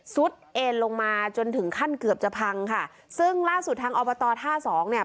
ซุดเอ็นลงมาจนถึงขั้นเกือบจะพังค่ะซึ่งล่าสุดทางอบตท่าสองเนี่ย